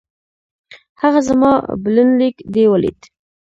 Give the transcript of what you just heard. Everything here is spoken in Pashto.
هغه زما بلنليک دې ولېد؟